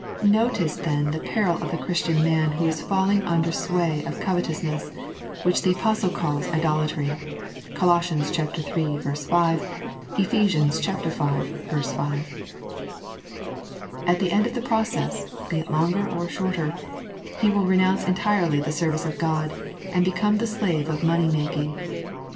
Notice then the peril of the Christian man who is falling nnder the sway of covetouMnees, which the Apostle calls idolatry (Col. iii. Q ; Eph. v. 5). At the end of the process, be it longer or shorter, he will renounce entirely the service of God, and become the slave of money making.